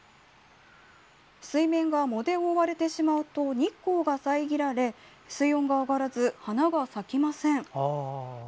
水面が藻で覆われてしまうと日光が遮られ水温が上がらず花が咲きません。